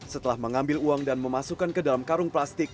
setelah mengambil uang dan memasukkan ke dalam karung plastik